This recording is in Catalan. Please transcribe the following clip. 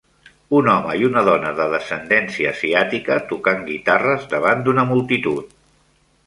Un home i una dona de descendència asiàtica tocant guitarres davant d'una multitud.